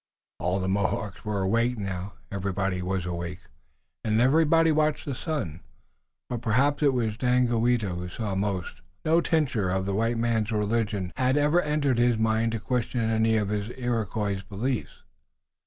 All the Mohawks were awake now, everybody was awake and everybody watched the sun, but perhaps it was Daganoweda who saw most. No tincture of the white man's religion had ever entered his mind to question any of his Iroquois beliefs.